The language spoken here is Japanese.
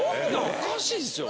おかしいっすよね。